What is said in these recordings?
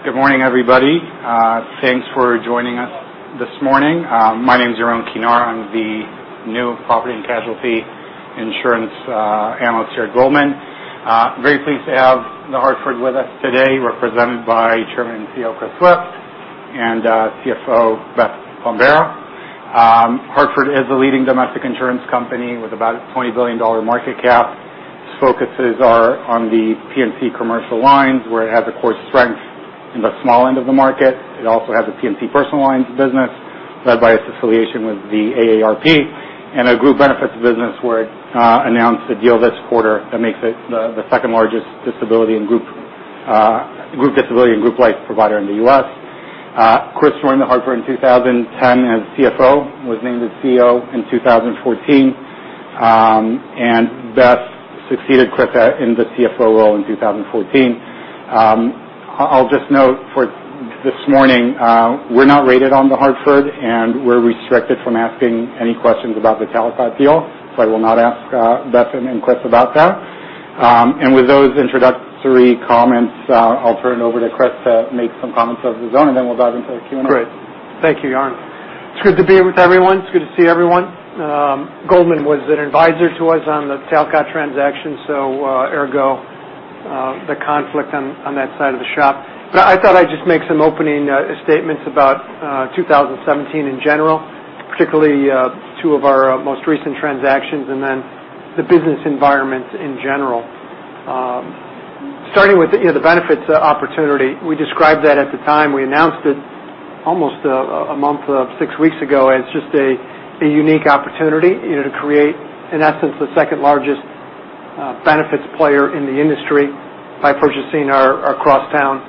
Good morning, everybody. Thanks for joining us this morning. My name is Yaron Kinar. I am the new property and casualty insurance analyst here at Goldman. Very pleased to have The Hartford with us today, represented by Chairman and CEO, Chris Swift, and CFO, Beth Bombara. The Hartford is a leading domestic insurance company with about a $20 billion market cap. Its focuses are on the P&C commercial lines, where it has a core strength in the small end of the market. It also has a P&C personal lines business led by its affiliation with the AARP, and a group benefits business where it announced a deal this quarter that makes it the second-largest group disability and group life provider in the U.S. Chris joined The Hartford in 2010 as CFO, was named the CEO in 2014, and Beth succeeded Chris in the CFO role in 2014. I will just note for this morning, we are not rated on The Hartford, and we are restricted from asking any questions about the Talcott deal, so I will not ask Beth and Chris about that. With those introductory comments, I will turn it over to Chris to make some comments of his own, and then we will dive into the Q&A. Great. Thank you, Yaron. It is good to be with everyone. It is good to see everyone. Goldman was an advisor to us on the Talcott transaction, so ergo, the conflict on that side of the shop. I thought I would just make some opening statements about 2017 in general, particularly two of our most recent transactions, and then the business environment in general. Starting with the benefits opportunity. We described that at the time we announced it almost a month or six weeks ago as just a unique opportunity to create, in essence, the second-largest benefits player in the industry by purchasing our cross-town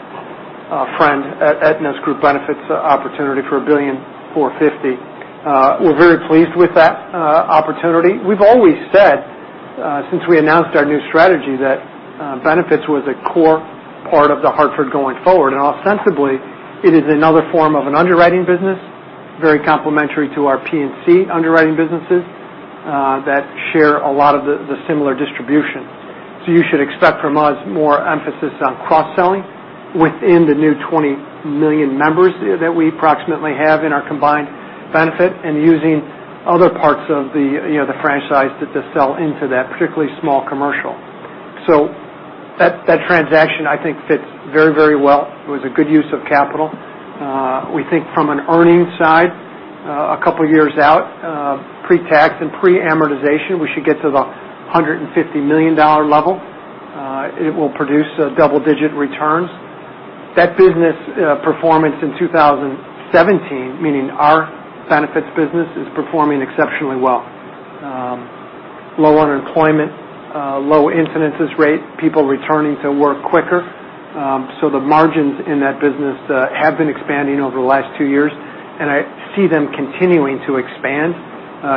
friend at Aetna's group benefits opportunity for $1 billion $450. We are very pleased with that opportunity. We have always said, since we announced our new strategy, that benefits was a core part of The Hartford going forward. Ostensibly, it is another form of an underwriting business, very complementary to our P&C underwriting businesses that share a lot of the similar distribution. You should expect from us more emphasis on cross-selling within the new 20 million members that we approximately have in our combined benefit and using other parts of the franchise to just sell into that, particularly small commercial. That transaction, I think, fits very well. It was a good use of capital. We think from an earnings side, a couple of years out, pre-tax and pre-amortization, we should get to the $150 million level. It will produce double-digit returns. That business performance in 2017, meaning our benefits business, is performing exceptionally well. Low unemployment, low incidence rate, people returning to work quicker. The margins in that business have been expanding over the last 2 years, I see them continuing to expand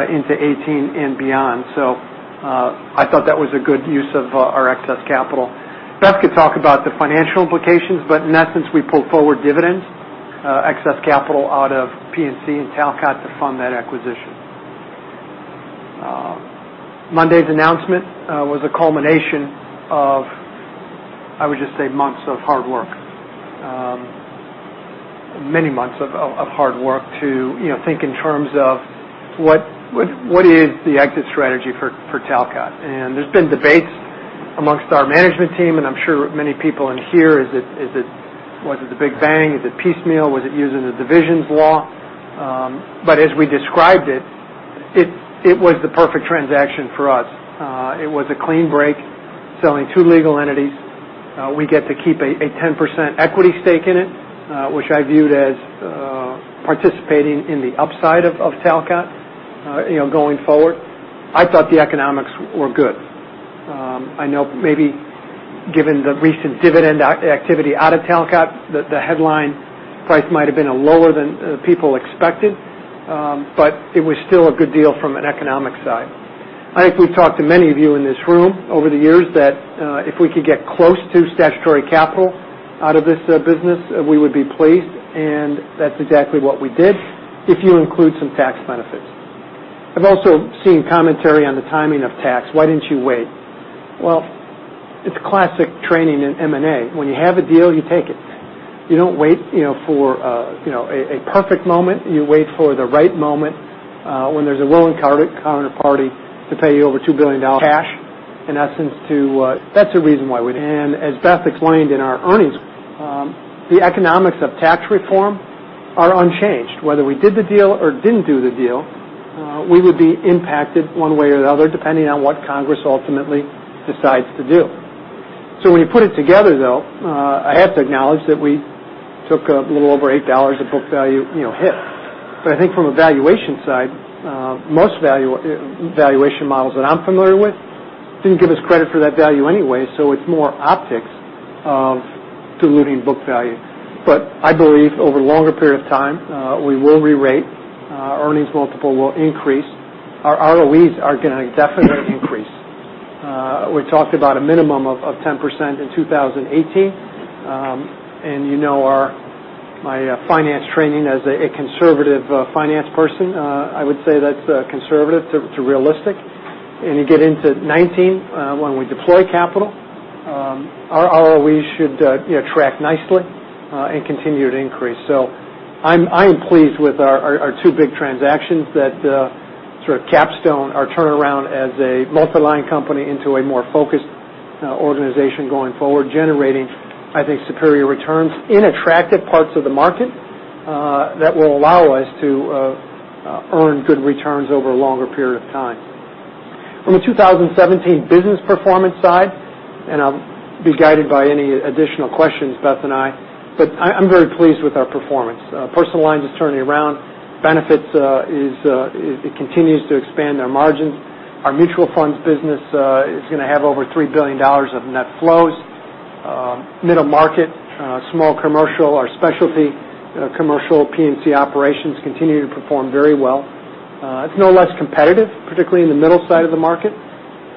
into 2018 and beyond. I thought that was a good use of our excess capital. Beth could talk about the financial implications, but in essence, we pulled forward dividends, excess capital out of P&C and Talcott to fund that acquisition. Monday's announcement was a culmination of, I would just say, months of hard work. Many months of hard work to think in terms of what is the exit strategy for Talcott. There's been debates amongst our management team, and I'm sure many people in here. Was it the Big Bang? Is it piecemeal? Was it using the division statute? As we described it was the perfect transaction for us. It was a clean break, selling 2 legal entities. We get to keep a 10% equity stake in it, which I viewed as participating in the upside of Talcott going forward. I thought the economics were good. I know maybe given the recent dividend activity out of Talcott, the headline price might have been lower than people expected, but it was still a good deal from an economic side. I think we've talked to many of you in this room over the years that if we could get close to statutory capital out of this business, we would be pleased, that's exactly what we did, if you include some tax benefits. I've also seen commentary on the timing of tax. Why didn't you wait? It's classic training in M&A. When you have a deal, you take it. You don't wait for a perfect moment. You wait for the right moment when there's a willing counterparty to pay you over $2 billion cash, in essence. That's the reason why we did. As Beth explained in our earnings, the economics of tax reform are unchanged. Whether we did the deal or didn't do the deal, we would be impacted one way or the other, depending on what Congress ultimately decides to do. When you put it together, though, I have to acknowledge that we took a little over $8 a book value hit. I think from a valuation side, most valuation models that I'm familiar with didn't give us credit for that value anyway, so it's more optics of diluting book value. I believe over a longer period of time, we will rerate. Our earnings multiple will increase. Our ROEs are going to definitely increase. We talked about a minimum of 10% in 2018. You know My finance training as a conservative finance person, I would say that's conservative to realistic. You get into 2019, when we deploy capital, our ROE should track nicely and continue to increase. I'm pleased with our 2 big transactions that sort of capstone our turnaround as a multiline company into a more focused organization going forward, generating, I think, superior returns in attractive parts of the market that will allow us to earn good returns over a longer period of time. On the 2017 business performance side, I'll be guided by any additional questions, Beth and I, but I'm very pleased with our performance. Personal lines is turning around. Benefits, it continues to expand our margins. Our mutual funds business is going to have over $3 billion of net flows. Middle market, small commercial, our specialty commercial P&C operations continue to perform very well. It's no less competitive, particularly in the middle side of the market.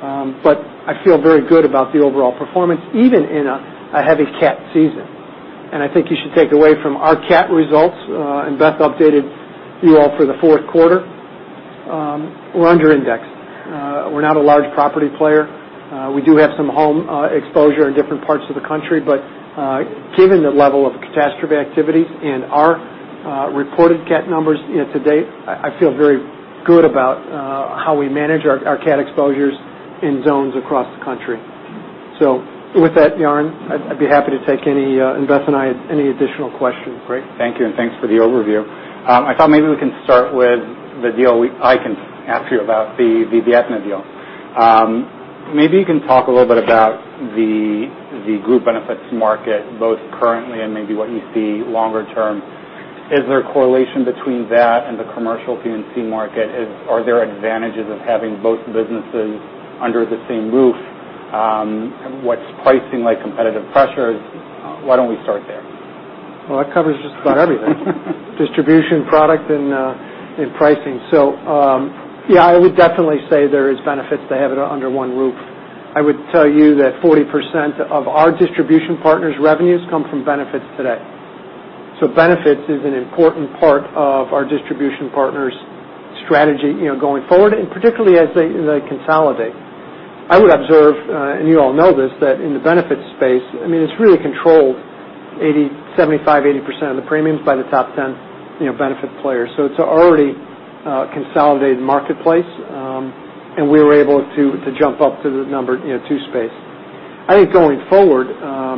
I feel very good about the overall performance, even in a heavy cat season. I think you should take away from our cat results, and Beth updated you all for the fourth quarter. We're under indexed. We're not a large property player. We do have some home exposure in different parts of the country, but given the level of catastrophe activity in our reported cat numbers to date, I feel very good about how we manage our cat exposures in zones across the country. With that, Yaron, I'd be happy to take any, and Beth and I, any additional questions. Great. Thank you, and thanks for the overview. I thought maybe we can start with the deal. I can ask you about the Aetna deal. Maybe you can talk a little bit about the group benefits market, both currently and maybe what you see longer term. Is there a correlation between that and the commercial P&C market? Are there advantages of having both businesses under the same roof? What's pricing like, competitive pressures? Why don't we start there? Well, that covers just about everything. Distribution, product, and pricing. Yeah, I would definitely say there is benefits to have it under one roof. I would tell you that 40% of our distribution partners' revenues come from benefits today. Benefits is an important part of our distribution partners' strategy going forward, and particularly as they consolidate. I would observe, and you all know this, that in the benefits space, it's really controlled, 75%-80% of the premiums by the top 10 benefits players. It's already a consolidated marketplace, and we were able to jump up to the number 2 space. I think going forward,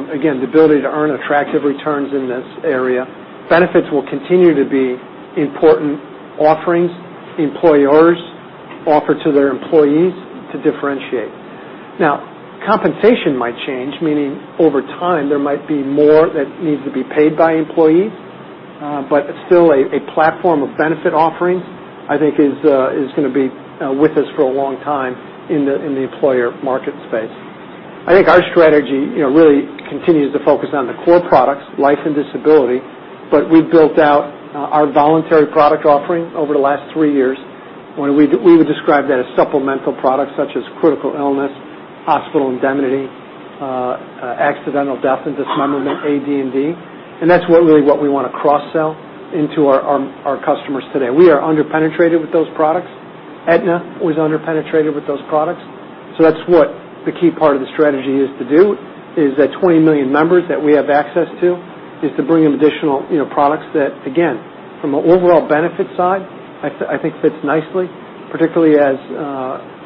again, the ability to earn attractive returns in this area, benefits will continue to be important offerings employers offer to their employees to differentiate. Now, compensation might change, meaning over time, there might be more that needs to be paid by employees. Still a platform of benefit offerings, I think is going to be with us for a long time in the employer market space. I think our strategy really continues to focus on the core products, life and disability, but we've built out our voluntary product offering over the last three years. We would describe that as supplemental products such as critical illness, hospital indemnity, accidental death and dismemberment, AD&D. That's really what we want to cross-sell into our customers today. We are under-penetrated with those products. Aetna was under-penetrated with those products. That's what the key part of the strategy is to do, is that 20 million members that we have access to, is to bring in additional products that, again, from an overall benefit side, I think fits nicely, particularly as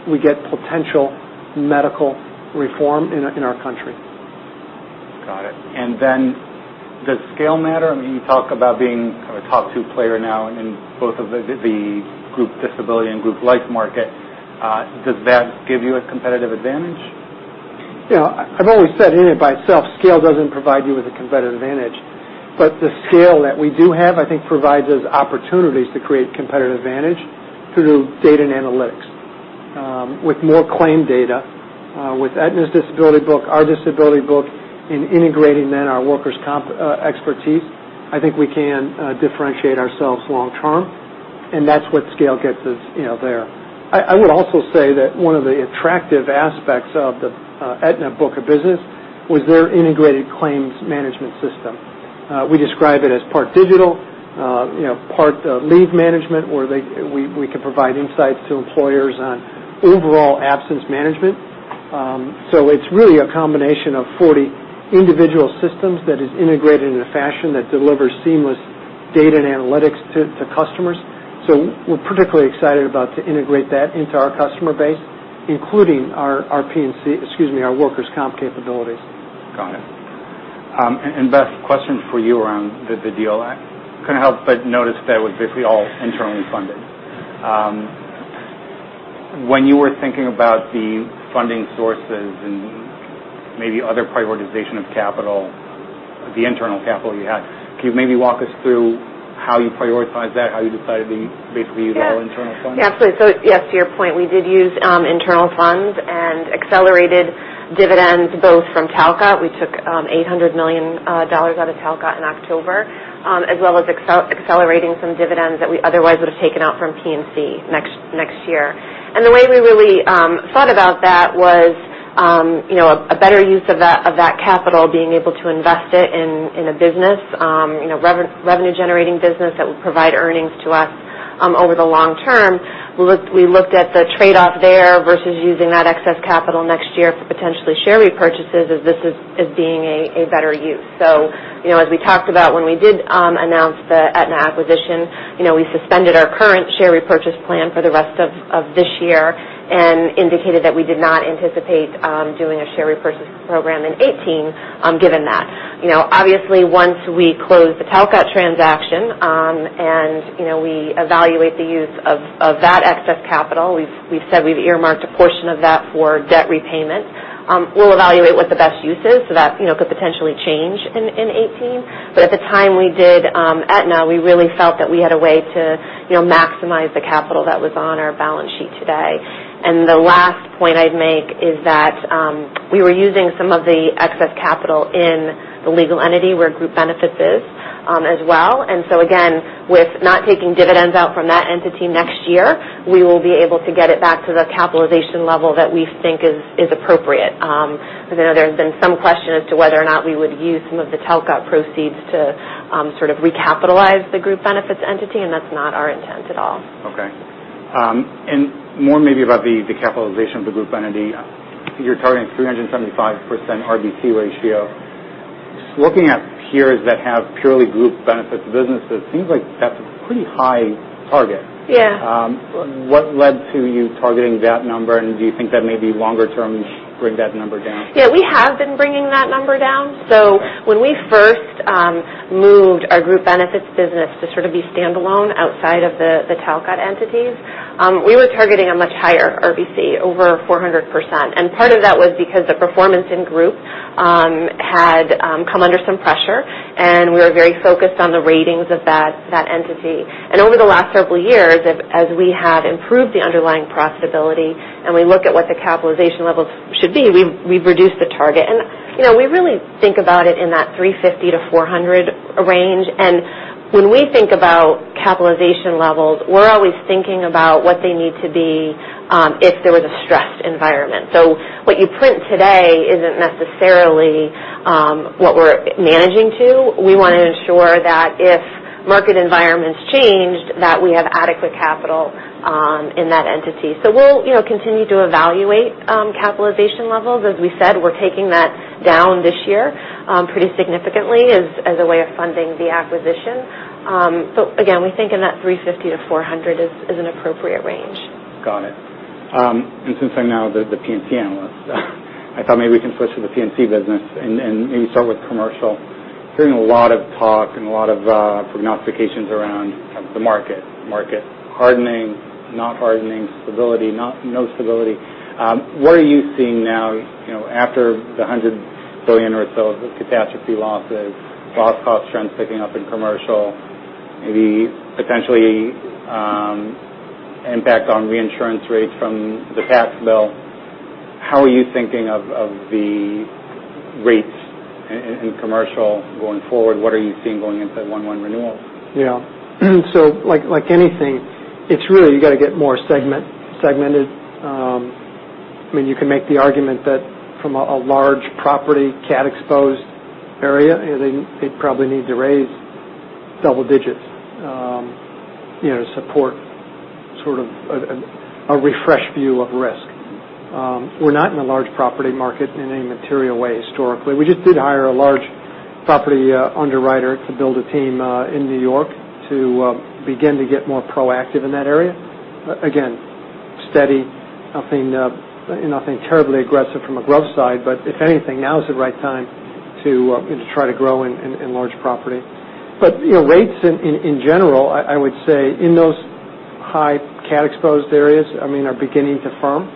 we get potential medical reform in our country. Got it. Does scale matter? You talk about being a top 2 player now in both of the group disability and group life market. Does that give you a competitive advantage? I've always said in and of itself, scale doesn't provide you with a competitive advantage. The scale that we do have, I think, provides us opportunities to create competitive advantage through data and analytics. With more claim data, with Aetna's disability book, our disability book, in integrating then our workers' comp expertise, I think we can differentiate ourselves long term, and that's what scale gets us there. I would also say that one of the attractive aspects of the Aetna book of business was their integrated claims management system. We describe it as part digital, part leave management where we can provide insights to employers on overall absence management. It's really a combination of 40 individual systems that is integrated in a fashion that delivers seamless data and analytics to customers. We're particularly excited about to integrate that into our customer base, including our workers' comp capabilities. Got it. Beth, question for you around the deal. I couldn't help but notice that was basically all internally funded. When you were thinking about the funding sources and maybe other prioritization of capital, the internal capital you had, can you maybe walk us through how you prioritized that, how you decided to basically use all internal funds? Yeah, absolutely. Yes, to your point, we did use internal funds and accelerated dividends both from Talcott. We took $800 million out of Talcott in October, as well as accelerating some dividends that we otherwise would have taken out from P&C next year. The way we really thought about that was a better use of that capital being able to invest it in a business, revenue-generating business that would provide earnings to us over the long term, we looked at the trade-off there versus using that excess capital next year for potentially share repurchases as this as being a better use. As we talked about when we did announce the Aetna acquisition, we suspended our current share repurchase plan for the rest of this year and indicated that we did not anticipate doing a share repurchase program in 2018, given that. Once we close the Talcott transaction, we evaluate the use of that excess capital, we've said we've earmarked a portion of that for debt repayment. We'll evaluate what the best use is. That could potentially change in 2018. At the time we did Aetna, we really felt that we had a way to maximize the capital that was on our balance sheet today. The last point I'd make is that we were using some of the excess capital in the legal entity where group benefits is as well. Again, with not taking dividends out from that entity next year, we will be able to get it back to the capitalization level that we think is appropriate. I know there's been some question as to whether or not we would use some of the Talcott proceeds to sort of recapitalize the group benefits entity. That's not our intent at all. Okay. More maybe about the capitalization of the group entity. You're targeting 375% RBC ratio. Looking at peers that have purely group benefits businesses, seems like that's a pretty high target. Yeah. What led to you targeting that number? Do you think that maybe longer-term, bring that number down? We have been bringing that number down. When we first moved our group benefits business to sort of be standalone outside of the Talcott entities, we were targeting a much higher RBC, over 400%. Part of that was because the performance in group had come under some pressure, and we were very focused on the ratings of that entity. Over the last several years, as we have improved the underlying profitability and we look at what the capitalization levels should be, we've reduced the target. We really think about it in that 350-400 range. When we think about capitalization levels, we're always thinking about what they need to be if there was a stressed environment. What you print today isn't necessarily what we're managing to. We want to ensure that if market environments changed, that we have adequate capital in that entity. We'll continue to evaluate capitalization levels. As we said, we're taking that down this year pretty significantly as a way of funding the acquisition. Again, we think in that 350-400 is an appropriate range. Got it. Since I'm now the P&C analyst, I thought maybe we can switch to the P&C business and maybe start with commercial. Hearing a lot of talk and a lot of prognostications around the market. Market hardening, not hardening, stability, no stability. What are you seeing now after the $100 billion or so of catastrophe losses, loss cost trends picking up in commercial, maybe potentially impact on reinsurance rates from the tax bill. How are you thinking of the rates in commercial going forward? What are you seeing going into 1/1 renewals? Like anything, it's really, you got to get more segmented. You can make the argument that from a large property cat-exposed area, they'd probably need to raise double digits to support sort of a refresh view of risk. We're not in a large property market in any material way historically. We just did hire a large property underwriter to build a team in New York to begin to get more proactive in that area. Again, steady, nothing terribly aggressive from a growth side. If anything, now is the right time to try to grow in large property. Rates in general, I would say in those high cat-exposed areas, are beginning to firm.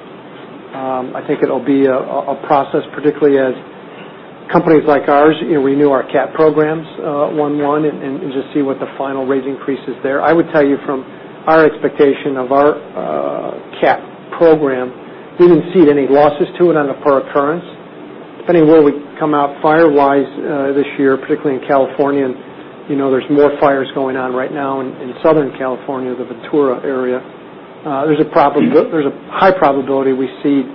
I think it'll be a process, particularly as companies like ours renew our cat programs 1/1 and just see what the final rate increase is there. I would tell you from our expectation of our cat program, we didn't cede any losses to it on a per occurrence. Depending where we come out fire-wise this year, particularly in Southern California, there's more fires going on right now in Southern California, the Ventura area. There's a high probability we cede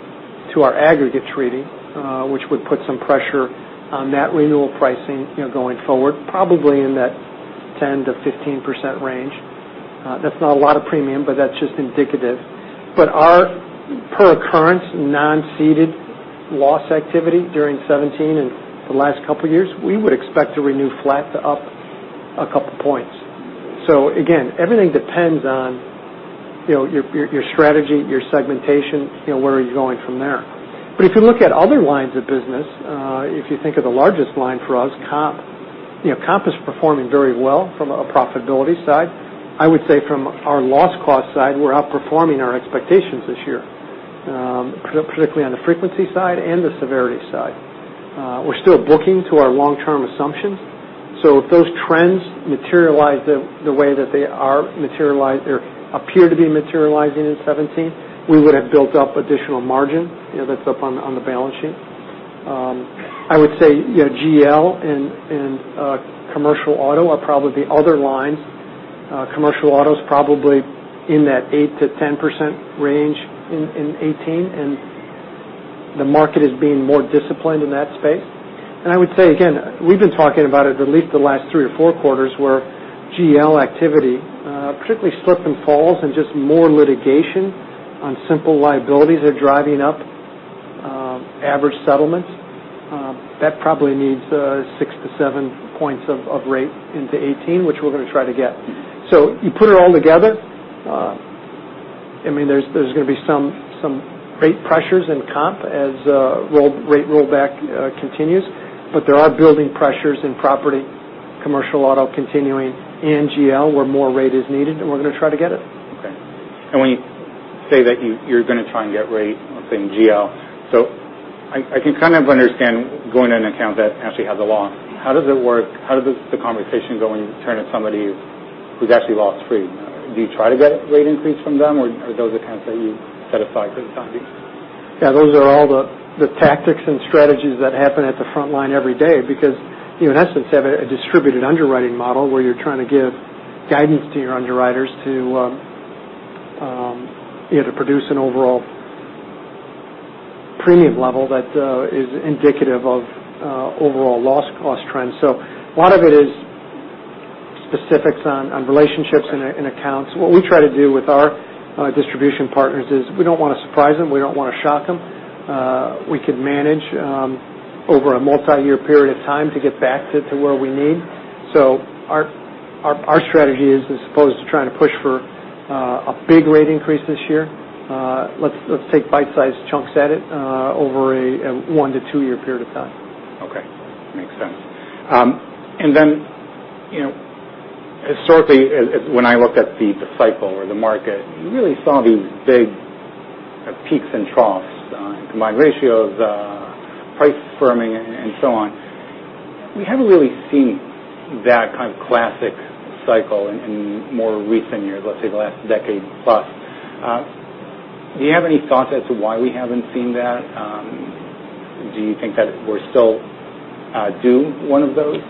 to our aggregate treaty which would put some pressure on that renewal pricing going forward, probably in that 10%-15% range. That's not a lot of premium, but that's just indicative. Our per occurrence non-ceded loss activity during 2017 and the last couple of years, we would expect to renew flat to up a couple points. Again, everything depends on your strategy, your segmentation, where are you going from there. If you look at other lines of business, if you think of the largest line for us, comp. Comp is performing very well from a profitability side. I would say from our loss cost side, we're outperforming our expectations this year, particularly on the frequency side and the severity side. We're still booking to our long-term assumptions. If those trends materialize the way that they appear to be materializing in 2017, we would have built up additional margin that's up on the balance sheet. I would say GL and commercial auto are probably the other lines. Commercial auto's probably in that 8%-10% range in 2018. The market is being more disciplined in that space. I would say again, we've been talking about it at least the last three or four quarters, where GL activity, particularly slip and falls and just more litigation on simple liabilities are driving up average settlements. That probably needs six to seven points of rate into 2018, which we're going to try to get. You put it all together, there's going to be some rate pressures in comp as rate rollback continues. There are building pressures in property, commercial auto continuing, and GL where more rate is needed, and we're going to try to get it. Okay. When you say that you're going to try and get rate, let's say in GL. I can kind of understand going into an account that actually has a loss. How does the conversation go when you turn to somebody who's actually loss free? Do you try to get a rate increase from them, or are those accounts that you set aside for the time being? Yeah, those are all the tactics and strategies that happen at the front line every day because you, in essence, have a distributed underwriting model where you're trying to give guidance to your underwriters to produce an overall premium level that is indicative of overall loss cost trends. A lot of it is specifics on relationships and accounts. What we try to do with our distribution partners is we don't want to surprise them. We don't want to shock them. We could manage over a multi-year period of time to get back to where we need. Our strategy is, as opposed to trying to push for a big rate increase this year, let's take bite-sized chunks at it over a one to two year period of time. Okay. Makes sense. Then, historically, when I looked at the cycle or the market, you really saw these big peaks and troughs, combined ratios, price firming, and so on. We haven't really seen that kind of classic cycle in more recent years, let's say the last decade plus. Do you have any thoughts as to why we haven't seen that? Do you think that we're still due one of those?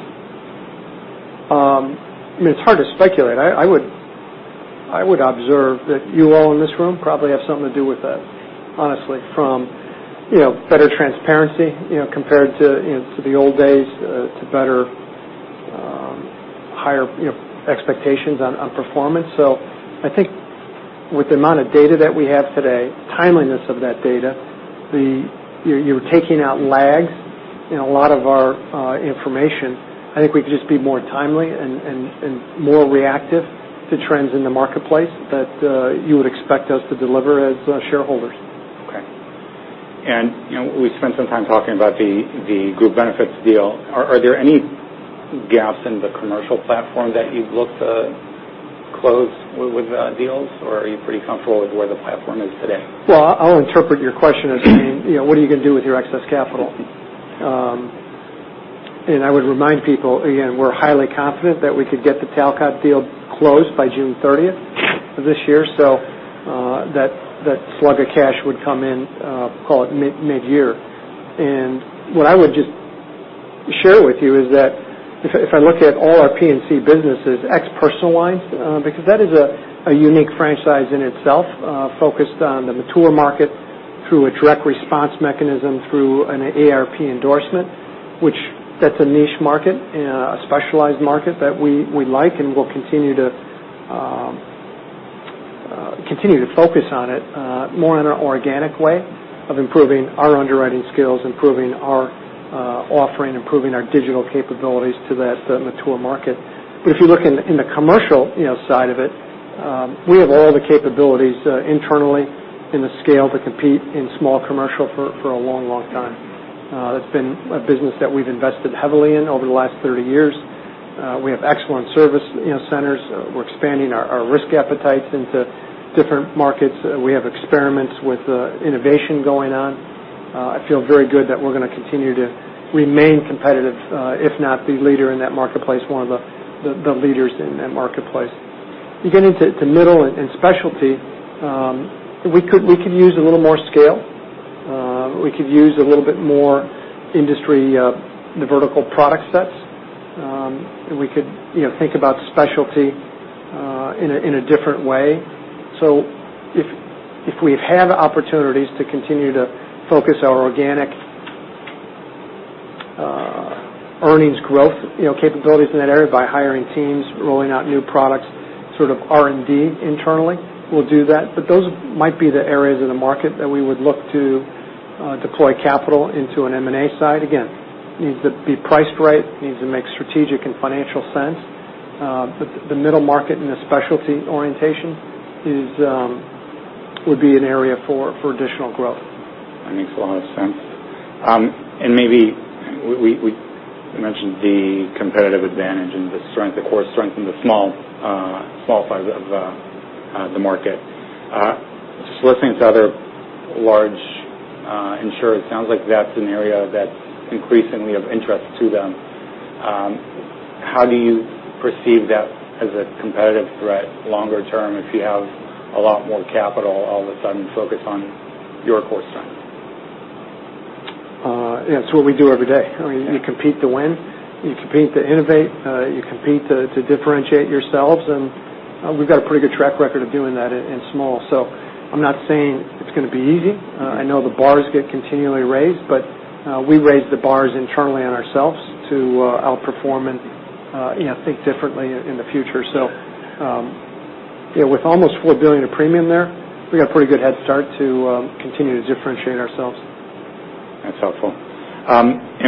It's hard to speculate. I would observe that you all in this room probably have something to do with that. Honestly, from better transparency compared to the old days to higher expectations on performance. I think with the amount of data that we have today, timeliness of that data, you're taking out lags in a lot of our information. I think we can just be more timely and more reactive to trends in the marketplace that you would expect us to deliver as shareholders. Okay. We spent some time talking about the group benefits deal. Are there any gaps in the commercial platform that you'd look to close with deals, or are you pretty comfortable with where the platform is today? I'll interpret your question as being, what are you going to do with your excess capital? I would remind people again, we're highly confident that we could get the Talcott deal closed by June 30th of this year, so that slug of cash would come in, call it mid-year. What I would just share with you is that if I look at all our P&C businesses, ex personal lines, because that is a unique franchise in itself, focused on the mature market through a direct response mechanism through an AARP endorsement. That's a niche market and a specialized market that we like and will continue to focus on it more in an organic way of improving our underwriting skills, improving our offering, improving our digital capabilities to that mature market. If you look in the commercial side of it, we have all the capabilities internally in the scale to compete in small commercial for a long time. That's been a business that we've invested heavily in over the last 30 years. We have excellent service centers. We're expanding our risk appetites into different markets. We have experiments with innovation going on. I feel very good that we're going to continue to remain competitive, if not the leader in that marketplace, one of the leaders in that marketplace. You get into middle and specialty, we could use a little more scale. We could use a little bit more industry, the vertical product sets. We could think about specialty in a different way. If we have opportunities to continue to focus our organic earnings growth capabilities in that area by hiring teams, rolling out new products, sort of R&D internally, we'll do that. Those might be the areas of the market that we would look to deploy capital into an M&A side. Again, needs to be priced right, needs to make strategic and financial sense. The middle market and the specialty orientation would be an area for additional growth. That makes a lot of sense. Maybe we mentioned the competitive advantage and the strength, the core strength in the small size of the market. Just listening to other large insurers, sounds like that's an area that's increasingly of interest to them. How do you perceive that as a competitive threat longer term if you have a lot more capital all of a sudden focused on your core strength? It's what we do every day. You compete to win, you compete to innovate, you compete to differentiate yourselves, and we've got a pretty good track record of doing that in small. I'm not saying it's going to be easy. I know the bars get continually raised, but we raise the bars internally on ourselves to outperform and think differently in the future. With almost $4 billion of premium there, we got a pretty good head start to continue to differentiate ourselves. That's helpful.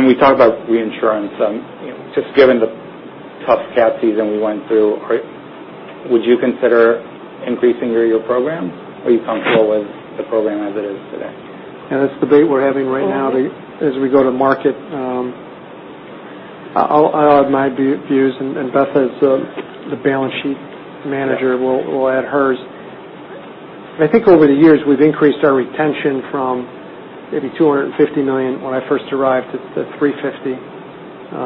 We talked about reinsurance. Just given the tough cat season we went through, would you consider increasing your year program, or are you comfortable with the program as it is today? Yeah. That's the debate we're having right now as we go to market. I'll add my views, and Beth, as the balance sheet manager- Yeah will add hers. I think over the years, we've increased our retention from maybe $250 million when I first arrived, at $350 million.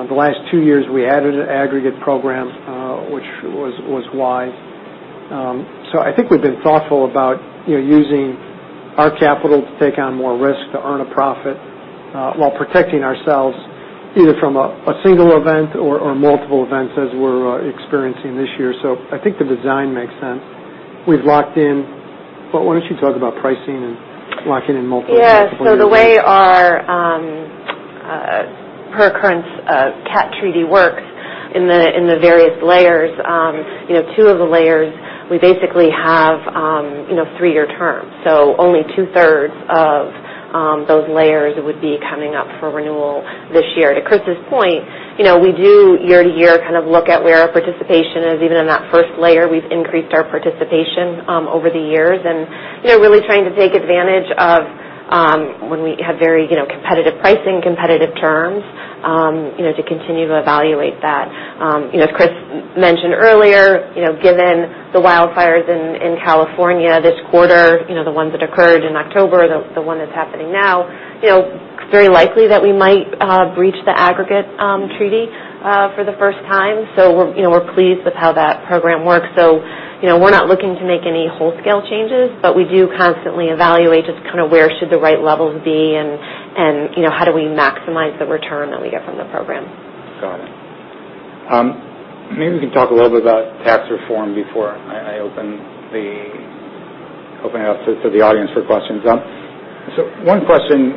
The last two years, we added an aggregate program, which was wise. I think we've been thoughtful about using our capital to take on more risk to earn a profit, while protecting ourselves, either from a single event or multiple events as we're experiencing this year. I think the design makes sense. We've locked in. Why don't you talk about pricing and locking in multiple years? Yeah. The way our per occurrence cat treaty works in the various layers, two of the layers, we basically have three-year terms, only two-thirds of those layers would be coming up for renewal this year. To Chris's point, we do year-to-year kind of look at where our participation is. Even in that first layer, we've increased our participation over the years, and really trying to take advantage of when we have very competitive pricing, competitive terms, to continue to evaluate that. As Chris mentioned earlier, given the wildfires in California this quarter, the ones that occurred in October, the one that's happening now, it's very likely that we might breach the aggregate treaty for the first time. We're pleased with how that program works. We're not looking to make any wholesale changes, we do constantly evaluate just kind of where should the right levels be and how do we maximize the return that we get from the program. Got it. Maybe we can talk a little bit about tax reform before I open it up to the audience for questions. One question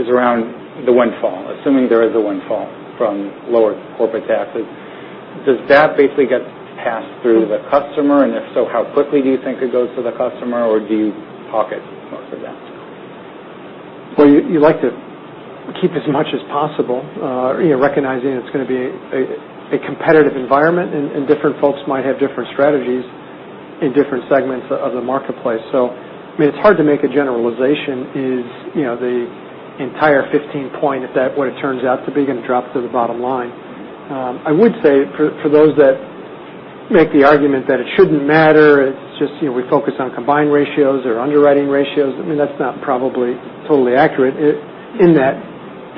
is around the windfall, assuming there is a windfall from lower corporate taxes. Does that basically get passed through the customer, and if so, how quickly do you think it goes to the customer or do you pocket most of that? Well, you like to keep as much as possible, recognizing it's going to be a competitive environment and different folks might have different strategies in different segments of the marketplace. It's hard to make a generalization, is the entire 15 point, if that what it turns out to be, going to drop to the bottom line? I would say for those that make the argument that it shouldn't matter, it's just we focus on combined ratios or underwriting ratios. That's not probably totally accurate in that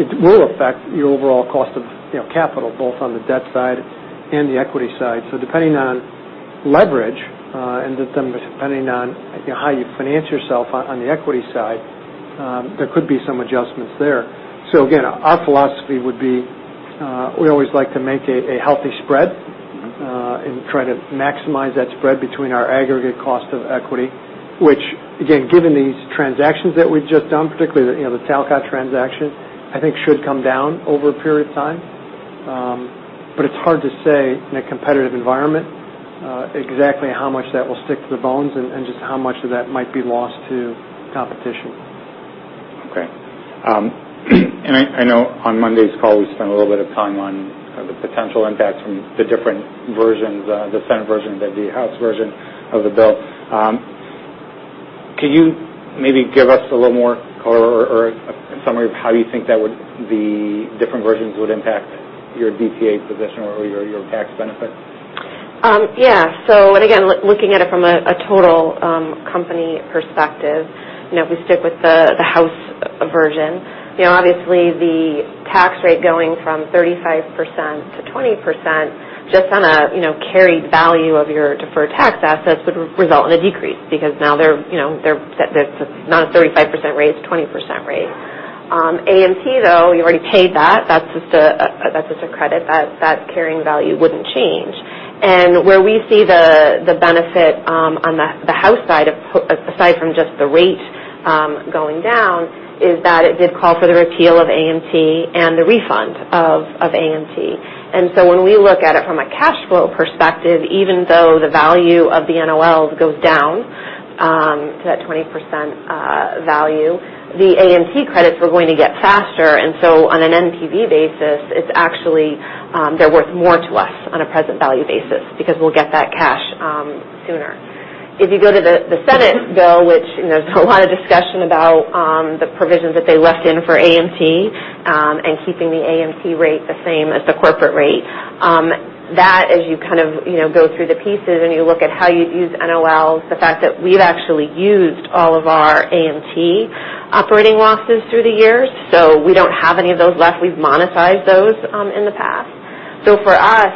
it will affect your overall cost of capital, both on the debt side and the equity side. Depending on leverage, then depending on how you finance yourself on the equity side, there could be some adjustments there. Again, our philosophy would be, we always like to maintain a healthy spread- Try to maximize that spread between our aggregate cost of equity, which again, given these transactions that we've just done, particularly the Talcott transaction, I think should come down over a period of time. It's hard to say in a competitive environment exactly how much that will stick to the bones and just how much of that might be lost to competition. Okay. I know on Monday's call, we spent a little bit of time on the potential impacts from the different versions, the Senate version, the House version of the bill. Can you maybe give us a little more color or a summary of how you think the different versions would impact your DTA position or your tax benefit? Again, looking at it from a total company perspective, if we stick with the House version, obviously the tax rate going from 35% to 20%, just on a carried value of your deferred tax assets, would result in a decrease, because now it's not a 35% rate, it's a 20% rate. AMT, though, you already paid that. That's just a credit. That carrying value wouldn't change. Where we see the benefit on the House side, aside from just the rate going down, is that it did call for the repeal of AMT and the refund of AMT. When we look at it from a cash flow perspective, even though the value of the NOLs goes down to that 20% value, the AMT credits we're going to get faster. On an NPV basis, it's actually they're worth more to us on a present value basis because we'll get that cash sooner. If you go to the Senate bill, which there's a lot of discussion about the provisions that they left in for AMT and keeping the AMT rate the same as the corporate rate. That as you kind of go through the pieces and you look at how you'd use NOLs, the fact that we've actually used all of our AMT operating losses through the years, so we don't have any of those left. We've monetized those in the past. For us,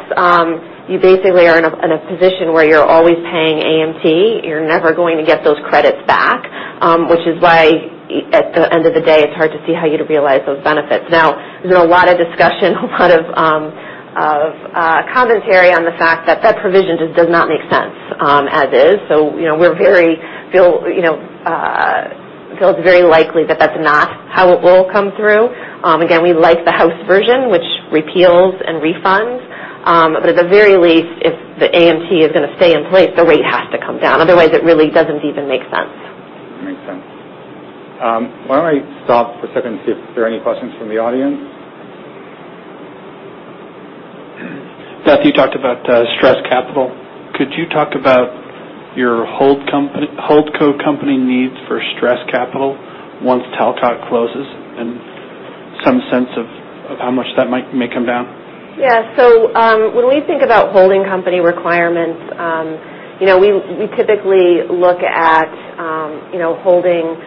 you basically are in a position where you're always paying AMT. You're never going to get those credits back, which is why, at the end of the day, it's hard to see how you'd realize those benefits. There's been a lot of discussion, a lot of commentary on the fact that that provision just does not make sense as is. We feel it's very likely that that's not how it will come through. Again, we like the House version, which repeals and refunds. At the very least, if the AMT is going to stay in place, the rate has to come down. Otherwise, it really doesn't even make sense. Makes sense. Why don't I stop for a second and see if there are any questions from the audience? Beth, you talked about stress capital. Could you talk about your holdco company needs for stress capital once Talcott closes, and some sense of how much that might come down? Yeah. When we think about holding company requirements, we typically look at holding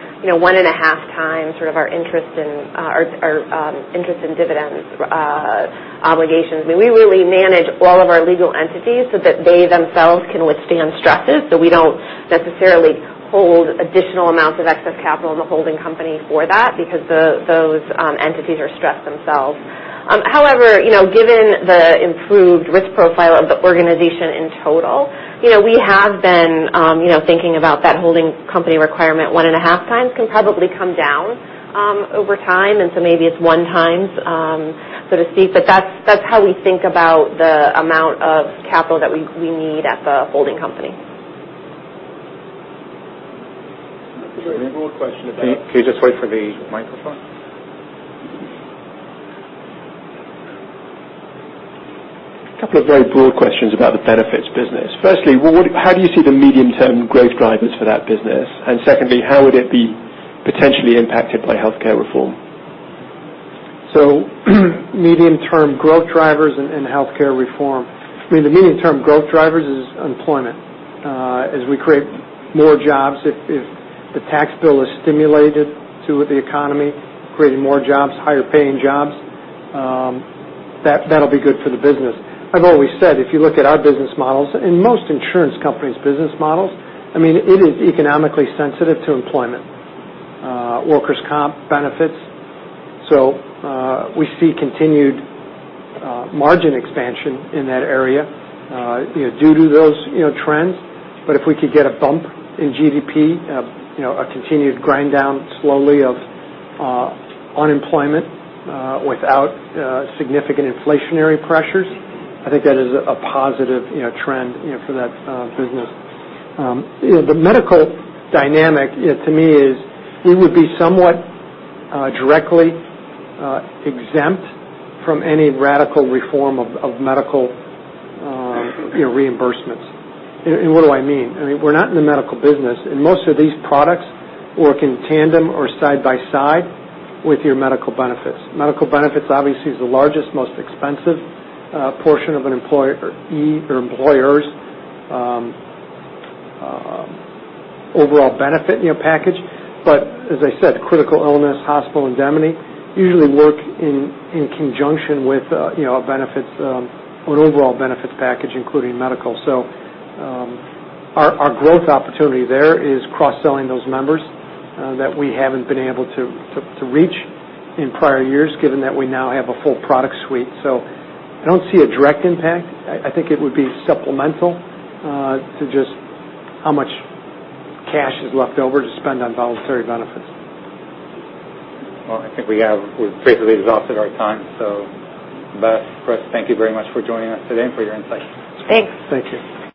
one and a half times our interest in dividends obligations. We really manage all of our legal entities so that they themselves can withstand stresses. We don't necessarily hold additional amounts of excess capital in the holding company for that because those entities are stressed themselves. However, given the improved risk profile of the organization in total, we have been thinking about that holding company requirement one and a half times can probably come down over time. Maybe it's one times. That's how we think about the amount of capital that we need at the holding company. A very broad question about. Can you just wait for the microphone? A couple of very broad questions about the benefits business. Firstly, how do you see the medium-term growth drivers for that business? Secondly, how would it be potentially impacted by healthcare reform? Medium-term growth drivers and healthcare reform. The medium-term growth drivers is unemployment. As we create more jobs, if the tax bill is stimulated to the economy, creating more jobs, higher-paying jobs, that'll be good for the business. I've always said, if you look at our business models and most insurance companies' business models, it is economically sensitive to employment, workers' comp benefits. We see continued margin expansion in that area due to those trends. If we could get a bump in GDP, a continued grind down slowly of unemployment without significant inflationary pressures, I think that is a positive trend for that business. The medical dynamic, to me, is we would be somewhat directly exempt from any radical reform of medical reimbursements. What do I mean? We're not in the medical business. Most of these products work in tandem or side by side with your medical benefits. Medical benefits, obviously, is the largest, most expensive portion of an employer's overall benefit package. As I said, critical illness, hospital indemnity usually work in conjunction with an overall benefits package, including medical. Our growth opportunity there is cross-selling those members that we haven't been able to reach in prior years, given that we now have a full product suite. I don't see a direct impact. I think it would be supplemental to just how much cash is left over to spend on voluntary benefits. Well, I think we've basically exhausted our time. Beth, Chris, thank you very much for joining us today and for your insights. Thanks. Thank you.